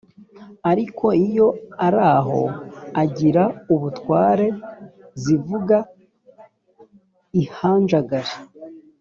ariko iyo ari aho agira ubutware zivuga ihanjagari